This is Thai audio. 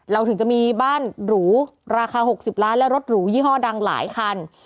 ถึงจะมีบ้านหรูราคา๖๐ล้านและรถหรูยี่ห้อดังหลายคัน